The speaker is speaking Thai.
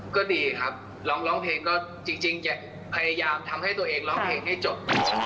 ก็ดีครับร้องเพลงก็จริงจะพยายามทำให้ตัวเองร้องเพลงให้จบ